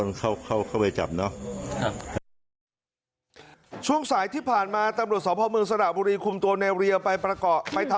ไม่เข้าใจกับทีอ๋อได้ประสาท